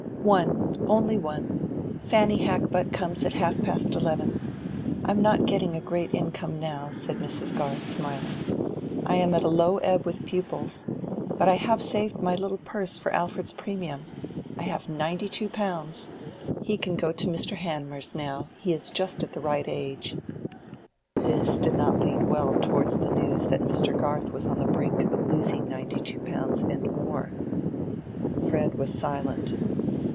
"One—only one. Fanny Hackbutt comes at half past eleven. I am not getting a great income now," said Mrs. Garth, smiling. "I am at a low ebb with pupils. But I have saved my little purse for Alfred's premium: I have ninety two pounds. He can go to Mr. Hanmer's now; he is just at the right age." This did not lead well towards the news that Mr. Garth was on the brink of losing ninety two pounds and more. Fred was silent.